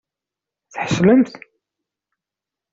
Tḥeṣlemt?